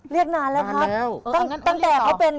นานแล้วครับตั้งแต่เขาเป็น